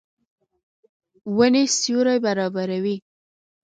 ونې سیوری برابروي.